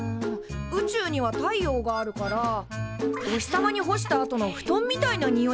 宇宙には太陽があるからお日様に干したあとのふとんみたいなにおいがするとか？